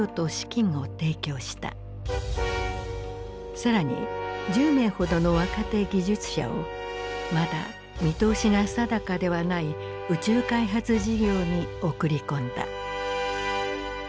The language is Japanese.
更に１０名ほどの若手技術者をまだ見通しが定かではない宇宙開発事業に送り込んだ。